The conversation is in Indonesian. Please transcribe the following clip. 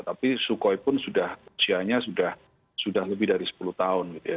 tapi sukhoi pun sudah usianya sudah lebih dari sepuluh tahun gitu ya